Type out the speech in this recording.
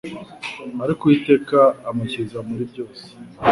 Ariko Uwiteka amukiza muri byose